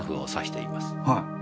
はい。